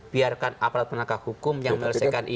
biarkan aparat penegak hukum yang melesaikan ini